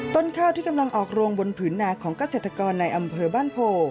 ต้นข้าวที่กำลังออกรวงบนผืนนาของเกษตรกรในอำเภอบ้านโพ